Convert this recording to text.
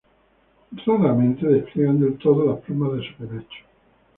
Raramente despliegan del todo las plumas de su penacho.